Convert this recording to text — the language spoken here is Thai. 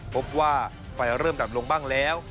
พบว่าไฟเริ่มดับลงบ้างแล้ว